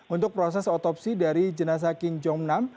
untuk proses otopsi dari jenazah king jong nam